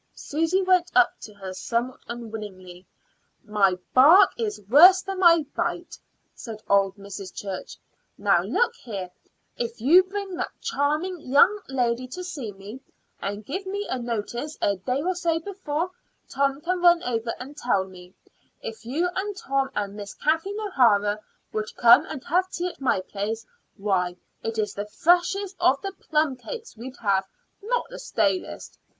Susy went up to her somewhat unwillingly. "My bark is worse than my bite," said old Mrs. Church. "Now look here; if you bring that charming young lady to see me, and give me notice a day or so before Tom can run over and tell me if you and Tom and Miss Kathleen O'Hara would come and have tea at my place, why, it's the freshest of the plumcakes we'd have, not the stalest.